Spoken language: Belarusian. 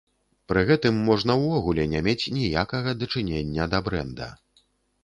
Пры гэтым, можна ўвогуле не мець ніякага дачынення да брэнда.